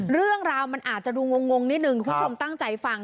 เรื่องราวมันอาจจะดูงงนิดนึงคุณผู้ชมตั้งใจฟัง